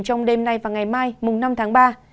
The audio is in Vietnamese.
trong đêm nay và ngày mai năm tháng ba